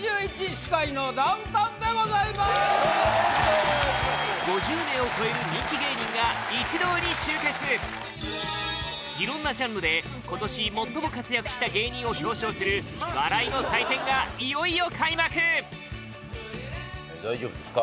司会のダウンタウンでございまーす５０名を超える人気芸人が一堂に集結色んなジャンルで今年最も活躍した芸人を表彰する笑いの祭典がいよいよ開幕大丈夫ですか？